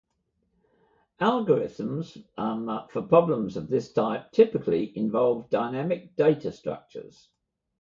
Algorithms for problems of this type typically involve dynamic data structures.